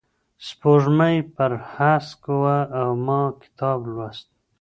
سپوږمۍ پر هسک وه او ما کتاب لوست.